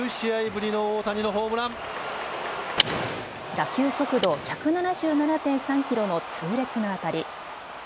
打球速度１７７．３キロの痛烈な当たり。